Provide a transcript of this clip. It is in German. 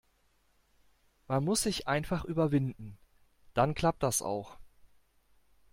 Man muss sich einfach überwinden. Dann klappt das auch.